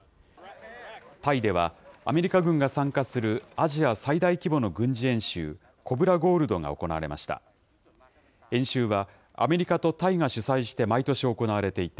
タイでは、アメリカ軍が参加するアジア最大規模の軍事演習、コブラ・ゴールドが行われました。